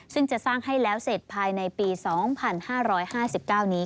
ซึ่งจะสร้างให้แล้วเสร็จภายในปี๒๕๕๙นี้